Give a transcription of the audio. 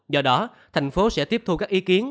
do đó thành phố sẽ tiếp thu các ý kiến